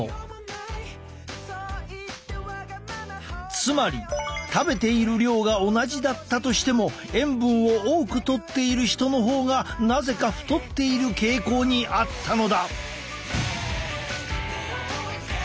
つまり食べている量が同じだったとしても塩分を多くとっている人の方がなぜか太っている傾向にあったのだ。